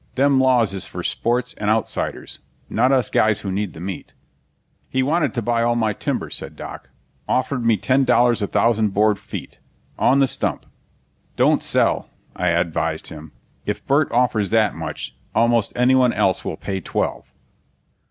"Them laws is for sports and Outsiders, not us guys who need the meat." "He wanted to buy all my timber," said Doc. "Offered me ten dollars a thousand board feet, on the stump." "Don't sell," I advised him. "If Burt offers that much, almost anyone else will pay twelve."